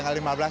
berapa di medan